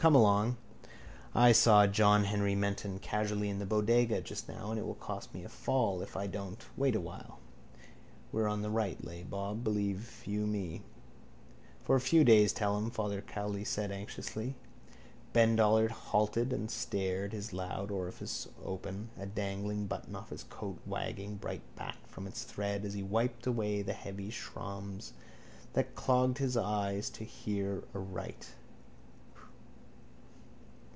Come along. I saw John Henry Menton casually in the Bodega just now and it will cost me a fall if I don't... Wait awhile... We're on the right lay, Bob, believe you me. —For a few days tell him, Father Cowley said anxiously. Ben Dollard halted and stared, his loud orifice open, a dangling button of his coat wagging brightbacked from its thread as he wiped away the heavy shraums that clogged his eyes to hear aright.